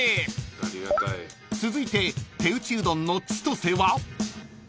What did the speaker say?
［続いて手打ちうどんのちとせは］